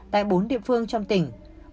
tại bốn địa phương trong tỉnh